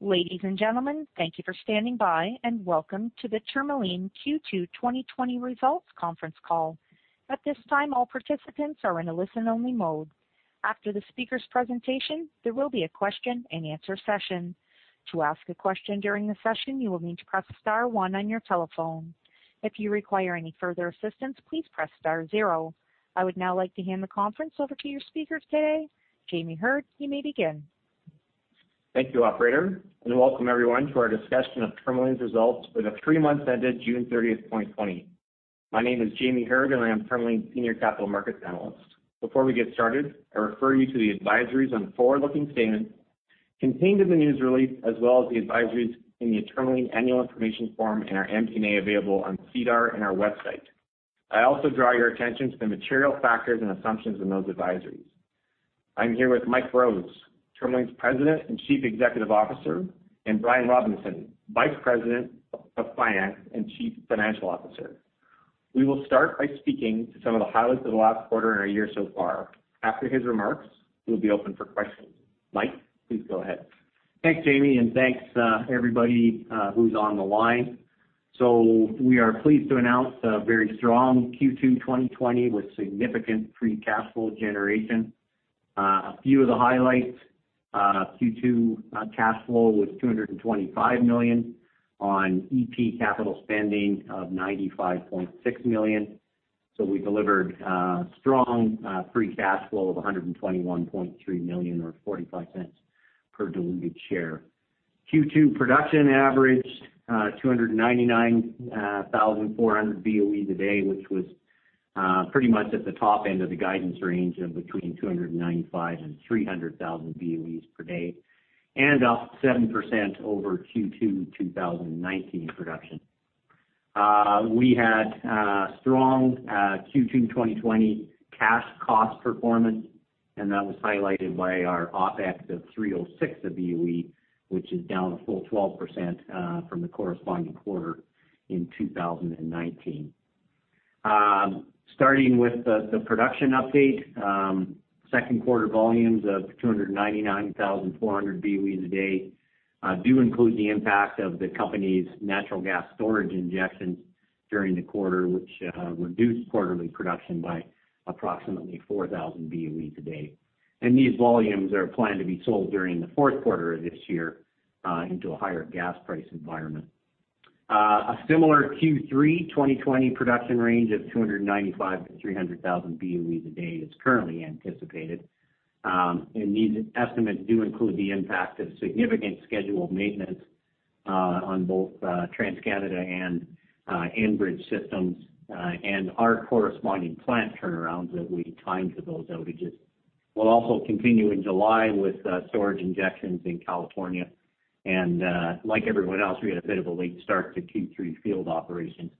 Ladies and gentlemen, thank you for standing by, and welcome to the Tourmaline Q2 2020 Results conference call. At this time, all participants are in a listen-only mode. After the speaker's presentation, there will be a question-and-answer session. To ask a question during the session, you will need to press star one on your telephone. If you require any further assistance, please press star zero. I would now like to hand the conference over to your speakers today. Jamie Heard, you may begin. Thank you, Operator, and welcome everyone to our discussion of Tourmaline's results with a three-month end date of June 30th, 2020. My name is Jamie Heard, and I am Tourmaline's Senior Capital Markets Analyst. Before we get started, I refer you to the advisories on forward-looking statements contained in the news release, as well as the advisories in the Tourmaline Annual Information Form and our MD&A available on SEDAR and our website. I also draw your attention to the material factors and assumptions in those advisories. I'm here with Mike Rose, Tourmaline's President and Chief Executive Officer, and Brian Robinson, Vice President of Finance and Chief Financial Officer. We will start by speaking to some of the highlights of the last quarter and our year so far. After his remarks, we'll be open for questions. Mike, please go ahead. Thanks, Jamie, and thanks everybody who's on the line. So we are pleased to announce a very strong Q2 2020 with significant free cash flow generation. A few of the highlights: Q2 cash flow was 225 million on EP capital spending of 95.6 million. So we delivered strong free cash flow of 121.3 million, or 0.45 per diluted share. Q2 production averaged 299,400 BOEs a day, which was pretty much at the top end of the guidance range of between 295,000 and 300,000 BOEs per day, and up 7% over Q2 2019 production. We had strong Q2 2020 cash cost performance, and that was highlighted by our OpEx of 3.06 per BOE, which is down a full 12% from the corresponding quarter in 2019. Starting with the production update, second quarter volumes of 299,400 BOEs a day do include the impact of the company's natural gas storage injections during the quarter, which reduced quarterly production by approximately 4,000 BOEs a day. These volumes are planned to be sold during the fourth quarter of this year into a higher gas price environment. A similar Q3 2020 production range of 295,000-300,000 BOEs a day is currently anticipated. These estimates do include the impact of significant scheduled maintenance on both TransCanada and Enbridge systems and our corresponding plant turnarounds that we timed for those outages. We'll also continue in July with storage injections in California. Like everyone else, we had a bit of a late start to Q3 field operations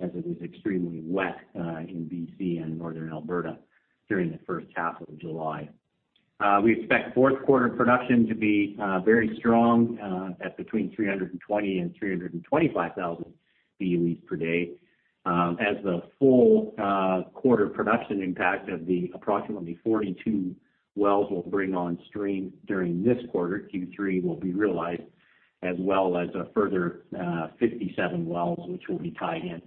as it was extremely wet in BC and Northern Alberta during the first half of July. We expect fourth quarter production to be very strong at between 320,000 and 325,000 BOEs per day as the full quarter production impact of the approximately 42 wells we'll bring on stream during this quarter, Q3, will be realized, as well as a further 57 wells which will be tied in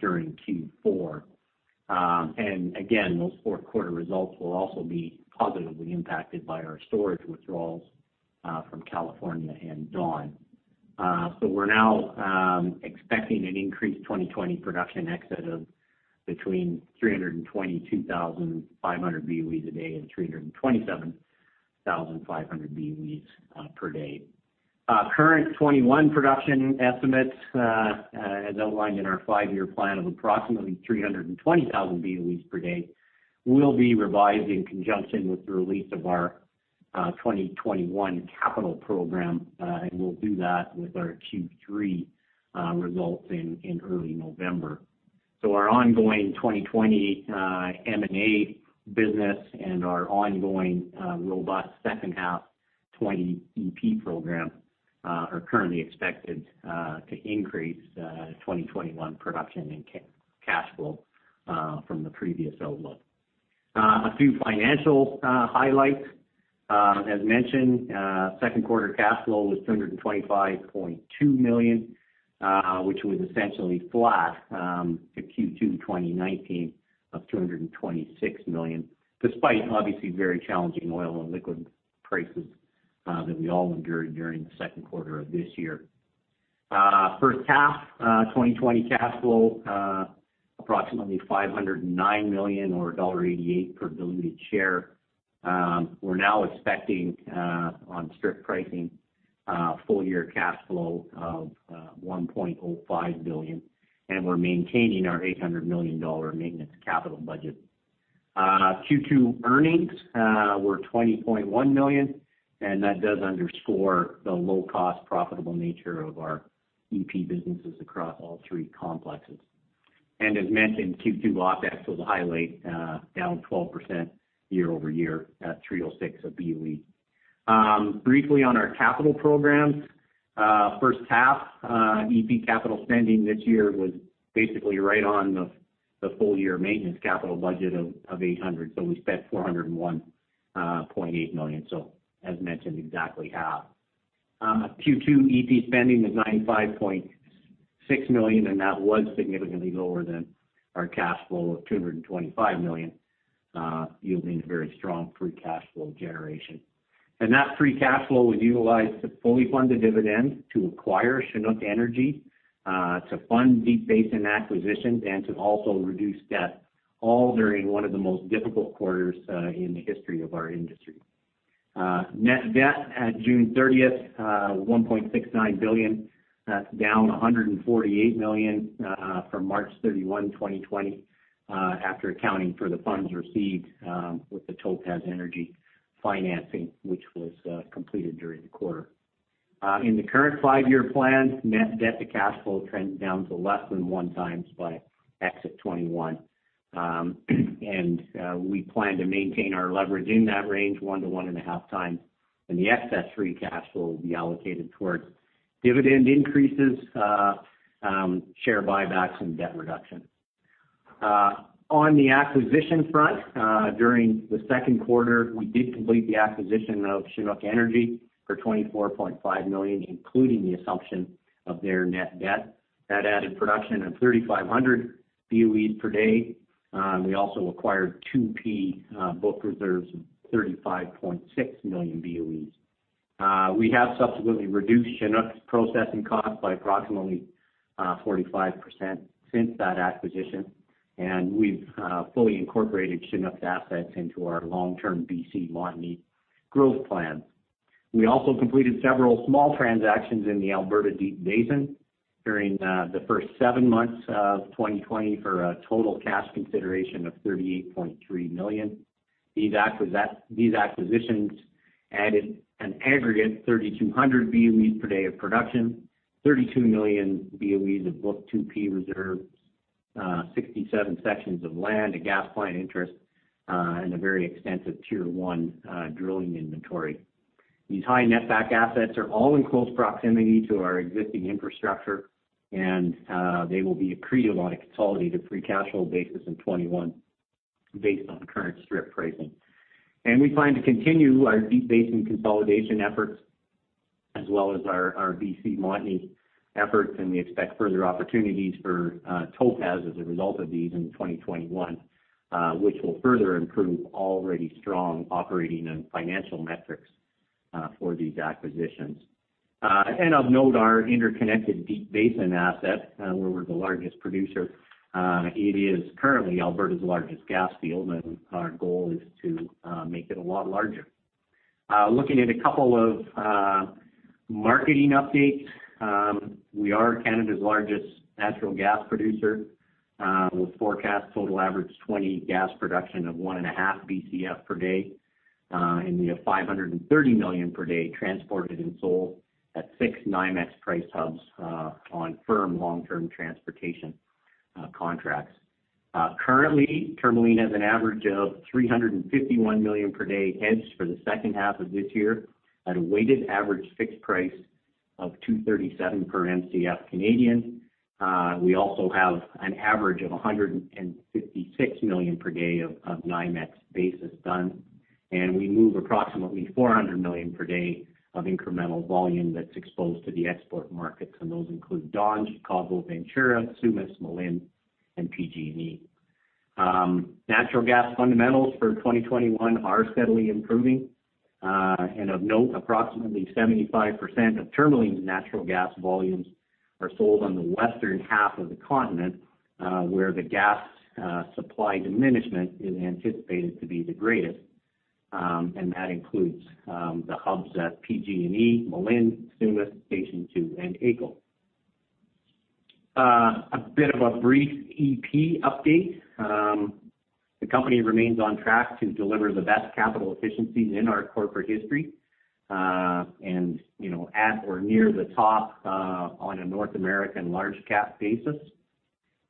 during Q4, and again, those fourth quarter results will also be positively impacted by our storage withdrawals from California and Dawn, so we're now expecting an increased 2020 production exit of between 322,500 BOEs a day and 327,500 BOEs per day. Current 2021 production estimates, as outlined in our five-year plan, of approximately 320,000 BOEs per day will be revised in conjunction with the release of our 2021 capital program, and we'll do that with our Q3 results in early November. Our ongoing 2020 M&A business and our ongoing robust second half 2020 EP program are currently expected to increase 2021 production and cash flow from the previous outlook. A few financial highlights. As mentioned, second quarter cash flow was 225.2 million, which was essentially flat to Q2 2019 of 226 million, despite obviously very challenging oil and liquid prices that we all endured during the second quarter of this year. First half 2020 cash flow, approximately 509 million or dollar 1.88 per diluted share. We're now expecting, on strip pricing, full year cash flow of 1.05 billion, and we're maintaining our 800 million dollar maintenance capital budget. Q2 earnings were 20.1 million, and that does underscore the low-cost, profitable nature of our EP businesses across all three complexes. And as mentioned, Q2 OpEx was a highlight, down 12% year over year at 3.06 a BOE. Briefly on our capital programs, first half EP capital spending this year was basically right on the full year maintenance capital budget of 800 million, so we spent 401.8 million, so as mentioned, exactly half. Q2 EP spending was 95.6 million, and that was significantly lower than our cash flow of 225 million, yielding a very strong free cash flow generation, and that free cash flow was utilized to fully fund a dividend, to acquire Chinook Energy, to fund Deep Basin acquisitions, and to also reduce debt, all during one of the most difficult quarters in the history of our industry. Net debt at June 30th, 1.69 billion, that's down 148 million from March 31, 2020, after accounting for the funds received with the Topaz Energy financing, which was completed during the quarter. In the current five-year plan, net debt to cash flow trends down to less than 1x by exit 2021. We plan to maintain our leverage in that range one to 1.5x, and the excess free cash flow will be allocated towards dividend increases, share buybacks, and debt reduction. On the acquisition front, during the second quarter, we did complete the acquisition of Chinook Energy for 24.5 million, including the assumption of their net debt. That added production of 3,500 BOEs per day. We also acquired 2P book reserves of 35.6 million BOEs. We have subsequently reduced Chinook's processing cost by approximately 45% since that acquisition, and we've fully incorporated Chinook's assets into our long-term BC Montney growth plans. We also completed several small transactions in the Alberta Deep Basin during the first seven months of 2020 for a total cash consideration of 38.3 million. These acquisitions added an aggregate 3,200 BOEs per day of production, 32 million BOEs of 2P reserves, 67 sections of land, a gas plant interest, and a very extensive Tier 1 drilling inventory. These high net back assets are all in close proximity to our existing infrastructure, and they will be accreted on a consolidated free cash flow basis in 2021 based on current strip pricing, and we plan to continue our Deep Basin consolidation efforts as well as our BC Montney efforts, and we expect further opportunities for Topaz as a result of these in 2021, which will further improve already strong operating and financial metrics for these acquisitions. Of note, our interconnected Deep Basin asset, where we're the largest producer, it is currently Alberta's largest gas field, and our goal is to make it a lot larger. Looking at a couple of marketing updates, we are Canada's largest natural gas producer with forecast total average 2020 gas production of one and a half BCF per day, and we have 530 million per day transported and sold at six NYMEX price hubs on firm long-term transportation contracts. Currently, Tourmaline has an average of 351 million per day hedged for the second half of this year at a weighted average fixed price of 2.37 per MCF. We also have an average of 156 million per day of NYMEX basis done, and we move approximately 400 million per day of incremental volume that's exposed to the export markets, and those include Dawn, Chicago, Ventura, Sumas, Malin, and PG&E. Natural gas fundamentals for 2021 are steadily improving, and of note, approximately 75% of Tourmaline's natural gas volumes are sold on the western half of the continent, where the gas supply diminishment is anticipated to be the greatest, and that includes the hubs at PG&E, Malin, Sumas, Station 2, and AECO. A bit of a brief EP update. The company remains on track to deliver the best capital efficiencies in our corporate history and at or near the top on a North American large cap basis.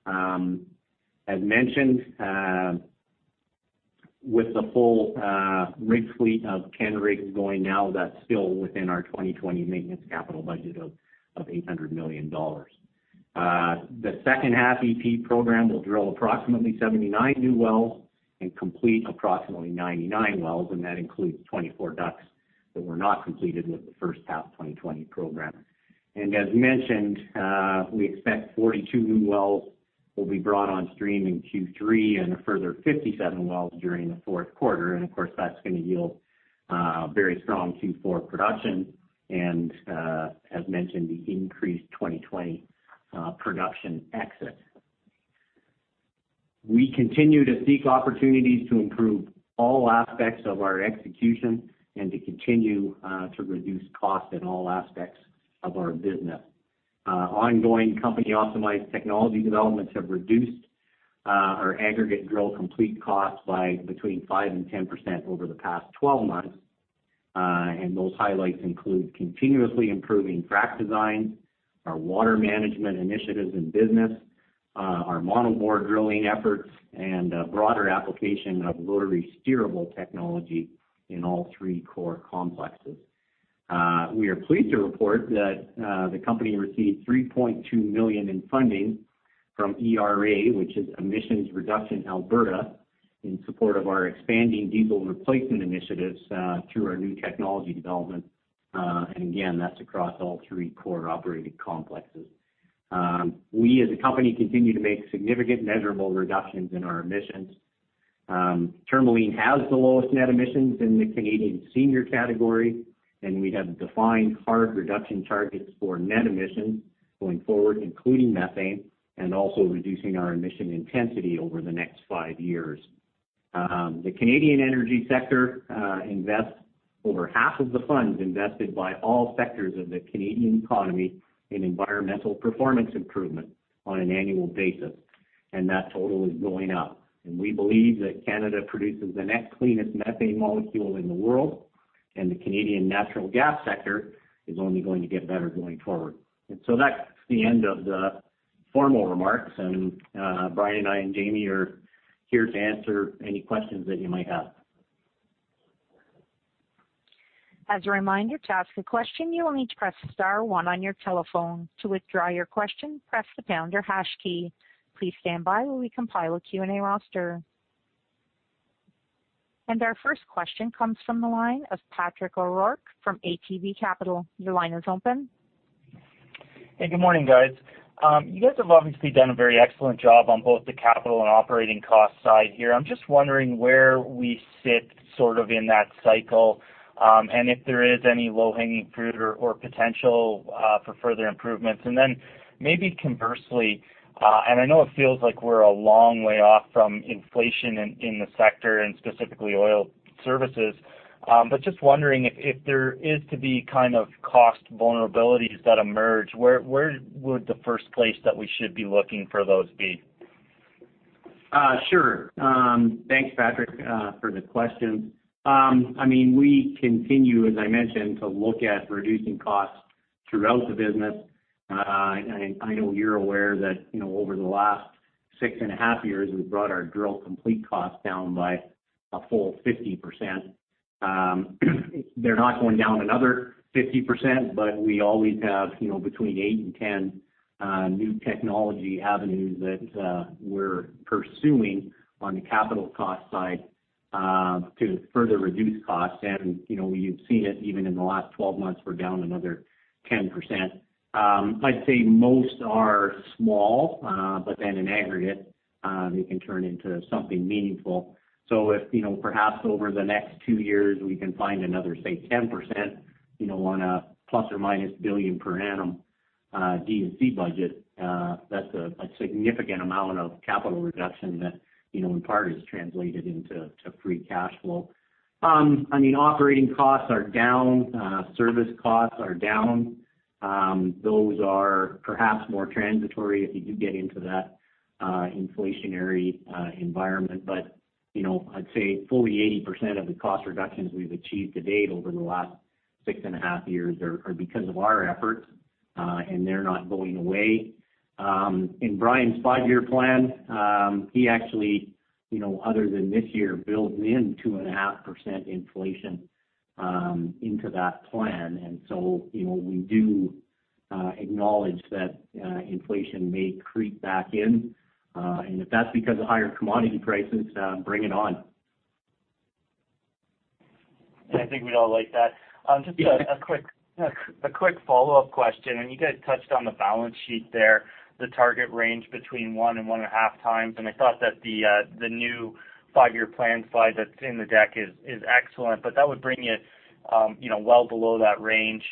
As mentioned, with the full rig fleet of 10 rigs going now, that's still within our 2020 maintenance capital budget of 800 million dollars. The second half EP program will drill approximately 79 new wells and complete approximately 99 wells, and that includes 24 DUCs that were not completed with the first half 2020 program. As mentioned, we expect 42 new wells will be brought on stream in Q3 and a further 57 wells during the fourth quarter. Of course, that's going to yield very strong Q4 production and, as mentioned, the increased 2020 production exit. We continue to seek opportunities to improve all aspects of our execution and to continue to reduce costs in all aspects of our business. Ongoing company optimized technology developments have reduced our aggregate drill and complete cost by between 5% and 10% over the past 12 months, and those highlights include continuously improving frac designs, our water management initiatives in business, our monobore drilling efforts, and a broader application of rotary steerable technology in all three core complexes. We are pleased to report that the company received 3.2 million in funding from ERA, which is Emissions Reduction Alberta, in support of our expanding diesel replacement initiatives through our new technology development, and again, that's across all three core operating complexes. We, as a company, continue to make significant measurable reductions in our emissions. Tourmaline has the lowest net emissions in the Canadian senior category, and we have defined hard reduction targets for net emissions going forward, including methane, and also reducing our emission intensity over the next five years. The Canadian energy sector invests over half of the funds invested by all sectors of the Canadian economy in environmental performance improvement on an annual basis, and that total is going up. We believe that Canada produces the next cleanest methane molecule in the world, and the Canadian natural gas sector is only going to get better going forward. So that's the end of the formal remarks, and Brian and I and Jamie are here to answer any questions that you might have. As a reminder, to ask a question, you will need to press star one on your telephone. To withdraw your question, press the pound or hash key. Please stand by while we compile a Q and A roster. And our first question comes from the line of Patrick O'Rourke from ATB Capital. Your line is open. Hey, good morning, guys. You guys have obviously done a very excellent job on both the capital and operating cost side here. I'm just wondering where we sit sort of in that cycle and if there is any low-hanging fruit or potential for further improvements. And then maybe conversely, and I know it feels like we're a long way off from inflation in the sector and specifically oil services, but just wondering if there is to be kind of cost vulnerabilities that emerge, where would the first place that we should be looking for those be? Sure. Thanks, Patrick, for the questions. I mean, we continue, as I mentioned, to look at reducing costs throughout the business. I know you're aware that over the last 6.5 years, we've brought our drill complete cost down by a full 50%. They're not going down another 50%, but we always have between eight and 10 new technology avenues that we're pursuing on the capital cost side to further reduce costs. And we have seen it even in the last 12 months, we're down another 10%. I'd say most are small, but then in aggregate, they can turn into something meaningful. So if perhaps over the next two years, we can find another, say, 10% on a ±1 billion per annum D&C budget, that's a significant amount of capital reduction that in part is translated into free cash flow. I mean, operating costs are down, service costs are down. Those are perhaps more transitory if you do get into that inflationary environment. But I'd say fully 80% of the cost reductions we've achieved to date over the last 6.5 years are because of our efforts, and they're not going away. In Brian's five-year plan, he actually, other than this year, builds in 2.5% inflation into that plan. And so we do acknowledge that inflation may creep back in, and if that's because of higher commodity prices, bring it on. I think we'd all like that. Just a quick follow-up question, and you guys touched on the balance sheet there, the target range between 1x and 1.5x. I thought that the new five-year plan slide that's in the deck is excellent, but that would bring it well below that range.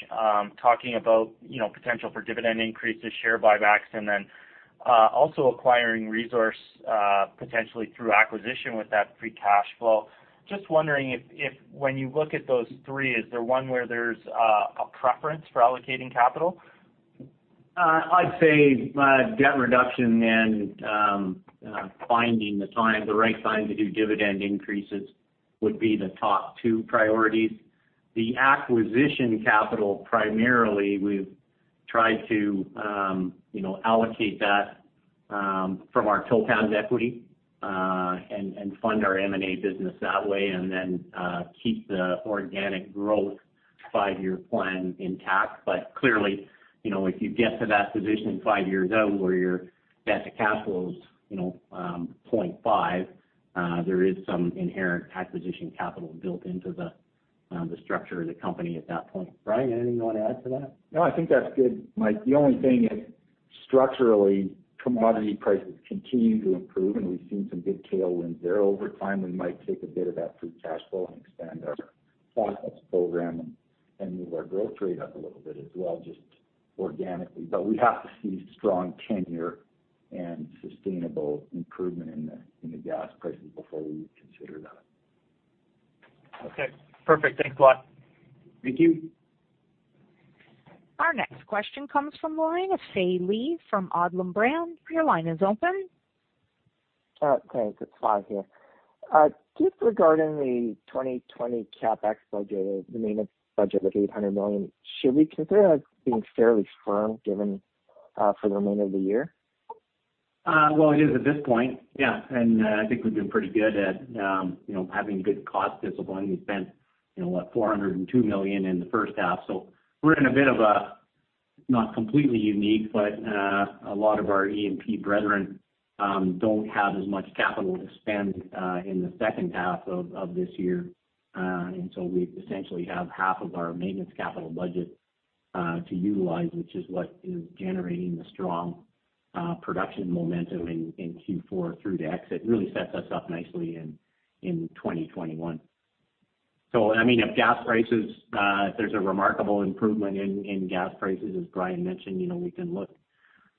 Talking about potential for dividend increases, share buybacks, and then also acquiring resource potentially through acquisition with that free cash flow. Just wondering if when you look at those three, is there one where there's a preference for allocating capital? I'd say debt reduction and finding the right time to do dividend increases would be the top two priorities. The acquisition capital primarily, we've tried to allocate that from our Topaz equity and fund our M&A business that way, and then keep the organic growth five-year plan intact. But clearly, if you get to that position five years out where your debt to cash flow is 0.5, there is some inherent acquisition capital built into the structure of the company at that point. Brian, anything you want to add to that? No, I think that's good, Mike. The only thing is structurally, commodity prices continue to improve, and we've seen some good tailwinds there. Over time, we might take a bit of that free cash flow and expand our processing program and move our growth rate up a little bit as well, just organically. But we have to see strong tenor and sustainable improvement in the gas prices before we consider that. Okay. Perfect. Thanks a lot. Thank you. Our next question comes from Lorenas Healy from Odlum Brown. Your line is open. Okay. It's five here. Just regarding the 2020 CapEx budget, the maintenance budget of 800 million, should we consider that being fairly firm for the remainder of the year? It is at this point, yeah. I think we've been pretty good at having good cost discipline. We spent, what, 402 million in the first half. We're in a bit of a not completely unique, but a lot of our EP brethren don't have as much capital to spend in the second half of this year. We essentially have half of our maintenance capital budget to utilize, which is what is generating the strong production momentum in Q4 through to exit. It really sets us up nicely in 2021. I mean, if gas prices, if there's a remarkable improvement in gas prices, as Brian mentioned, we can look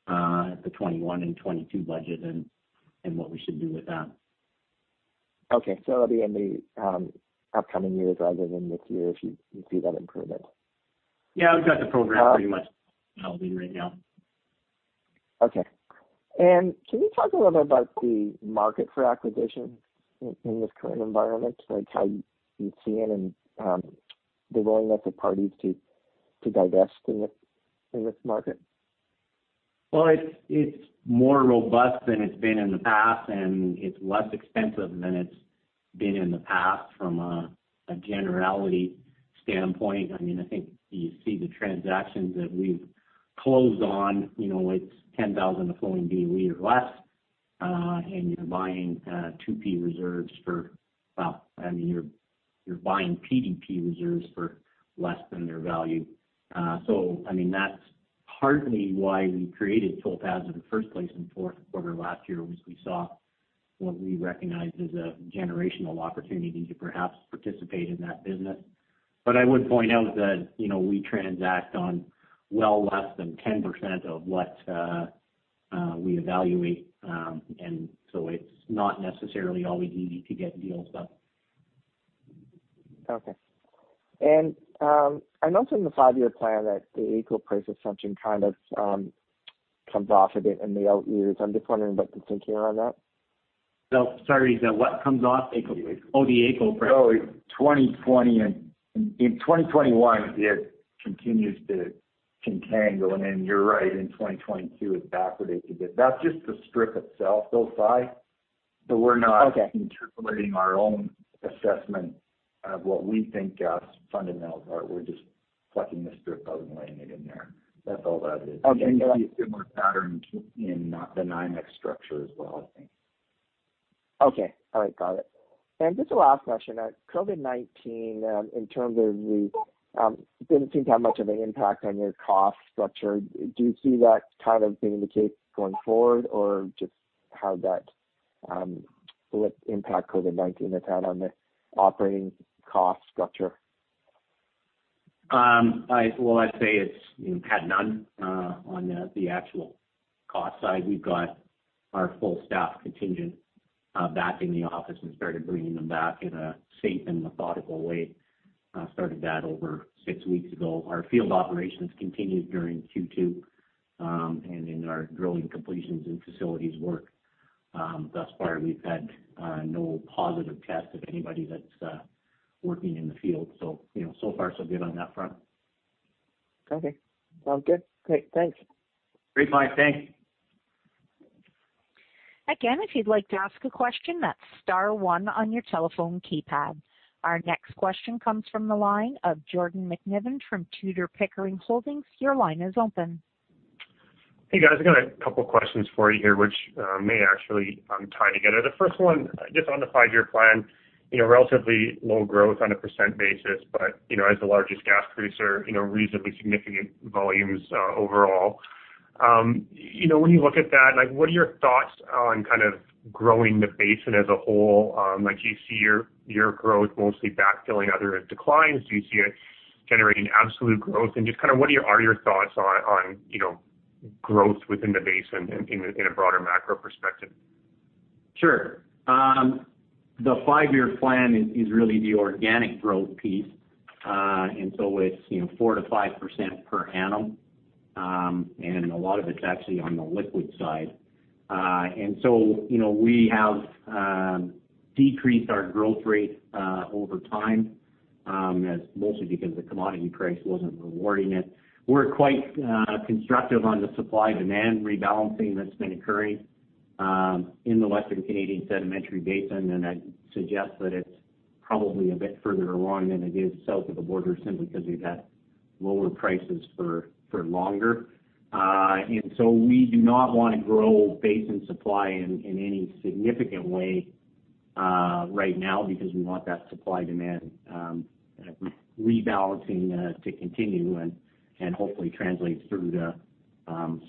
at the 2021 and 2022 budget and what we should do with that. Okay. So that'll be in the upcoming years rather than this year if you see that improvement. Yeah. We've got the program pretty much outlined right now. Okay. And can you talk a little bit about the market for acquisition in this current environment, how you see it and the willingness of parties to divest in this market? It's more robust than it's been in the past, and it's less expensive than it's been in the past from a generality standpoint. I mean, I think you see the transactions that we've closed on. It's 10,000 to flowing BOE or less, and you're buying 2P reserves for, well, I mean, you're buying PDP reserves for less than their value. So I mean, that's partly why we created Topaz in the first place in the fourth quarter last year, which we saw what we recognized as a generational opportunity to perhaps participate in that business. But I would point out that we transact on well less than 10% of what we evaluate, and so it's not necessarily always easy to get deals done. Okay, and I mentioned the five-year plan that the AECO price assumption kind of comes off a bit in the out years. I'm just wondering what the thinking around that. Oh, sorry. What comes off? Oh, the AECO price. No, 2020. In 2021, it continues to continue going in. You're right. In 2022, it backwardated a bit. That's just the strip itself goes by, so we're not interpolating our own assessment of what we think gas fundamentals are. We're just plucking the strip out and laying it in there. That's all that is, and you see a similar pattern in the NYMEX structure as well, I think. Okay. All right. Got it, and just the last question. COVID-19, in terms of the, didn't seem to have much of an impact on your cost structure. Do you see that kind of being the case going forward, or just how that will impact COVID-19 has had on the operating cost structure? I'd say it's had none on the actual cost side. We've got our full staff contingent back in the office and started bringing them back in a safe and methodical way. Started that over six weeks ago. Our field operations continued during Q2, and then our drilling completions and facilities work. Thus far, we've had no positive test of anybody that's working in the field. So far, so good on that front. Okay. Sounds good. Great. Thanks. Great. Bye. Thanks. Again, if you'd like to ask a question, that's star one on your telephone keypad. Our next question comes from the line of Jordan McNiven from Tudor, Pickering Holdings. Your line is open. Hey, guys. I've got a couple of questions for you here, which may actually tie together. The first one, just on the five-year plan, relatively low growth on a percentage basis, but as the largest gas producer, reasonably significant volumes overall. When you look at that, what are your thoughts on kind of growing the basin as a whole? Do you see your growth mostly backfilling other declines? Do you see it generating absolute growth? And just kind of what are your thoughts on growth within the basin in a broader macro perspective? Sure. The five-year plan is really the organic growth piece. And so it's 4%-5% per annum, and a lot of it's actually on the liquid side. And so we have decreased our growth rate over time mostly because the commodity price wasn't rewarding it. We're quite constructive on the supply-demand rebalancing that's been occurring in the Western Canadian sedimentary basin, and that suggests that it's probably a bit further along than it is south of the border simply because we've had lower prices for longer. And so we do not want to grow basin supply in any significant way right now because we want that supply-demand rebalancing to continue and hopefully translates through to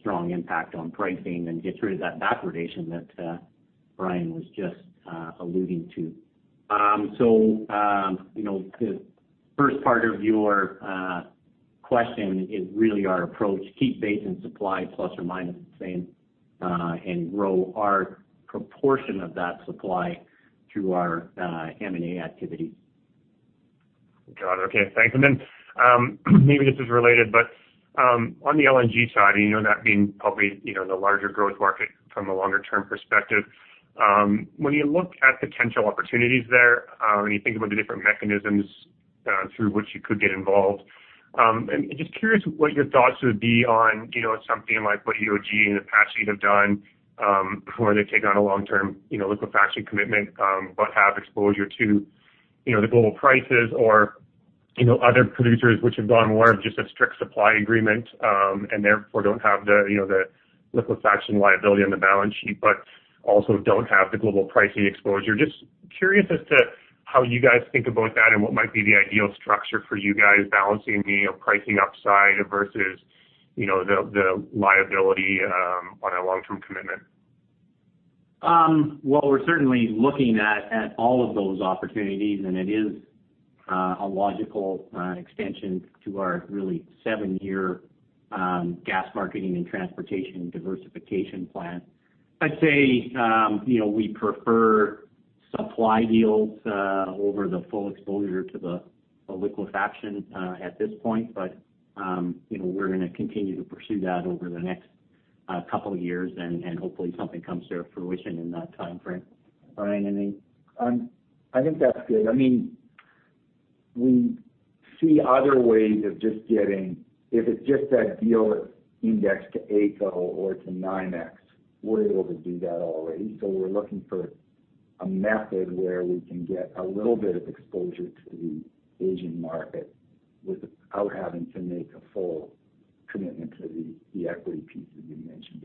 strong impact on pricing and gets rid of that backwardation that Brian was just alluding to. So the first part of your question is really our approach: keep basin supply plus or minus the same and grow our proportion of that supply through our M&A activities. Got it. Okay. Thanks. And then maybe this is related, but on the LNG side, and that being probably the larger growth market from a longer-term perspective, when you look at potential opportunities there and you think about the different mechanisms through which you could get involved, I'm just curious what your thoughts would be on something like what EOG and Apache have done where they take on a long-term liquefaction commitment but have exposure to the global prices or other producers which have gone more of just a strict supply agreement and therefore don't have the liquefaction liability on the balance sheet but also don't have the global pricing exposure. Just curious as to how you guys think about that and what might be the ideal structure for you guys balancing the pricing upside versus the liability on a long-term commitment. We're certainly looking at all of those opportunities, and it is a logical extension to our really seven-year gas marketing and transportation diversification plan. I'd say we prefer supply deals over the full exposure to the liquefaction at this point, but we're going to continue to pursue that over the next couple of years, and hopefully something comes to fruition in that time frame. Brian, anything? I think that's good. I mean, we see other ways of just getting if it's just that deal that's indexed to AECO or to NYMEX, we're able to do that already. So we're looking for a method where we can get a little bit of exposure to the Asian market without having to make a full commitment to the equity piece that you mentioned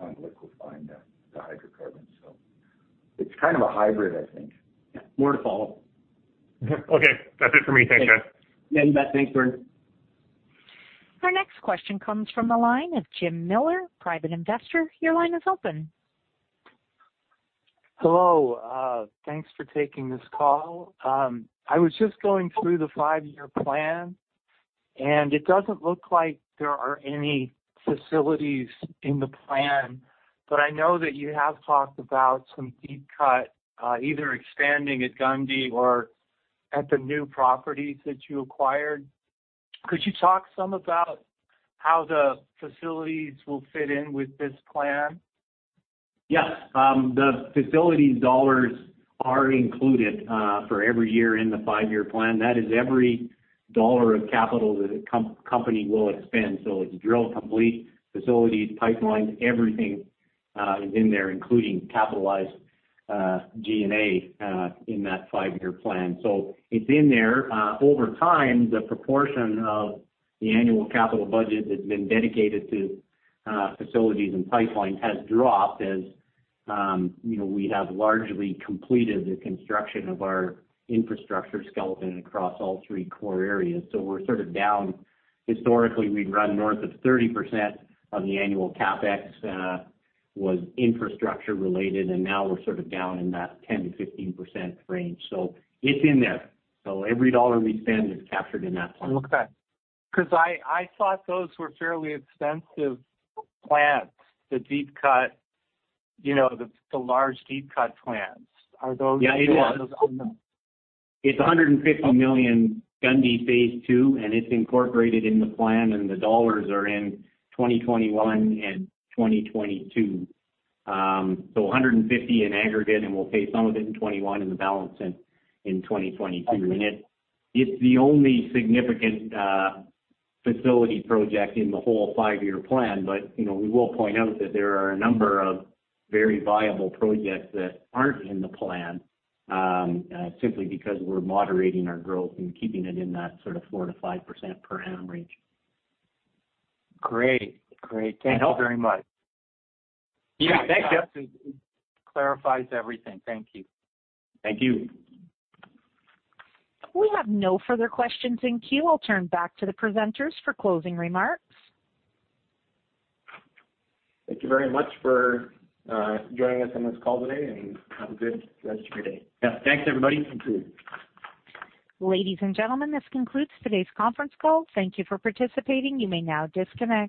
on liquefying the hydrocarbons. So it's kind of a hybrid, I think. Yeah. More to follow. Okay. That's it for me. Thanks, guys. Yeah. You bet. Thanks, Brian. Our next question comes from the line of Jim Miller, private investor. Your line is open. Hello. Thanks for taking this call. I was just going through the five-year plan, and it doesn't look like there are any facilities in the plan, but I know that you have talked about some deep cut, either expanding at Gundy or at the new properties that you acquired. Could you talk some about how the facilities will fit in with this plan? Yes. The facilities dollars are included for every year in the five-year plan. That is every dollar of capital that a company will expend. So it's drill complete, facilities, pipelines, everything is in there, including capitalized G&A in that five-year plan. So it's in there. Over time, the proportion of the annual capital budget that's been dedicated to facilities and pipelines has dropped as we have largely completed the construction of our infrastructure skeleton across all three core areas. So we're sort of down. Historically, we'd run north of 30% of the annual CapEx was infrastructure related, and now we're sort of down in that 10%-15% range. So it's in there. So every dollar we spend is captured in that plan. Okay. Because I thought those were fairly expensive plans, the deep cut, the large deep cut plans. Are those? Yeah, it is. It's 150 million Gundy phase II, and it's incorporated in the plan, and the dollars are in 2021 and 2022, so 150 million in aggregate, and we'll pay some of it in 2021 and the balance in 2022, and it's the only significant facility project in the whole five-year plan, but we will point out that there are a number of very viable projects that aren't in the plan simply because we're moderating our growth and keeping it in that sort of 4%-5% per annum range. Great. Great. Thank you very much. Yeah. Thanks, guys. It clarifies everything. Thank you. Thank you. We have no further questions in queue. I'll turn back to the presenters for closing remarks. Thank you very much for joining us on this call today, and have a good rest of your day. Yeah. Thanks, everybody. Ladies and gentlemen, this concludes today's conference call. Thank you for participating. You may now disconnect.